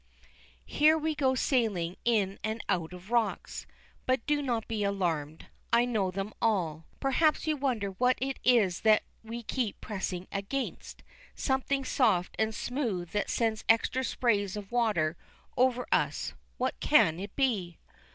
Here we go sailing in and out of rocks, but do not be alarmed, I know them all. Perhaps you wonder what it is that we keep pressing against, something soft and smooth that sends extra sprays of water over us. What can it be?